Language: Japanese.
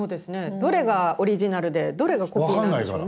どれがオリジナルでどれがコピーなんでしょうね。